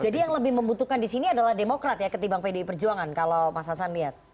jadi yang lebih membutuhkan di sini adalah demokrat ya ketimbang pdip perjuangan kalau mas hasan lihat